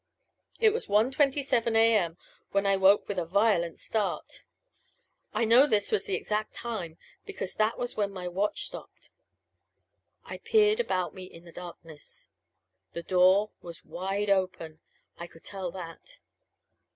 It was one twenty seven A. M. when I woke with a violent start. I know this was the exact time because that was when my watch stopped. I peered about me in the darkness. The door was wide open I could tell that.